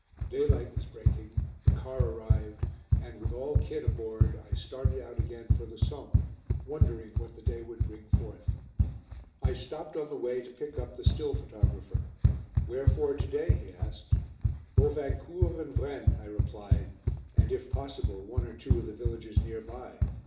Daylight was breaking, the car arrived and, with all kit aboard, I started out again for the Somme, wondering what the day would bring forth. I stopped on the way to pick up the "still" photographer. "Where for to day?" he asked. "Bovincourt and Vraignes," I replied, "and, if possible, one or two of the villages near by.